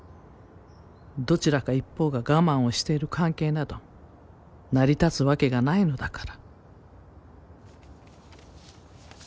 「どちらか一方が我慢をしている関係など成り立つわけがないのだから」